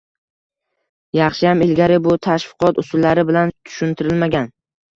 Yaxshiyamki, ilgari bu tashviqot usullari bilan tushuntirilmagan